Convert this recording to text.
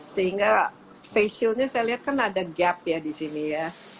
sehingga facialnya saya lihat kan ada gap ya di sini ya